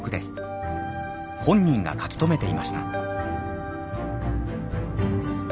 本人が書き留めていました。